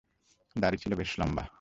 দাড়ি ছিল বেশ লম্বা।